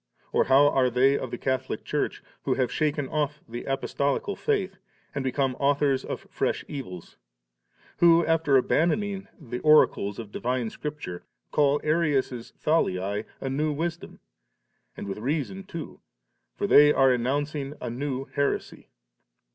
or how are they of the Catholic Church, who have shaken off the Apostolical faith, and become authors of fresh evils ? who, after abandoning the oracles of divine Scripture, call Arius's TTialiae a new wisdom? and with reason too, for they are announcing a new heresy.